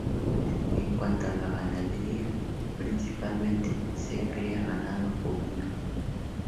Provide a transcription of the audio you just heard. En cuanto a la ganadería, principalmente, se cría ganado ovino.